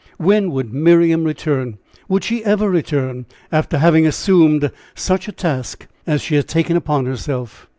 When would Miriam return? Would she ever return, after having assumed such a task as she had taken upon herself?"